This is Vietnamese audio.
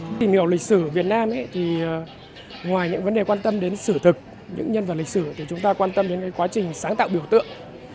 khi tìm hiểu lịch sử việt nam thì ngoài những vấn đề quan tâm đến sử thực những nhân vật lịch sử thì chúng ta quan tâm đến quá trình sáng tạo biểu tượng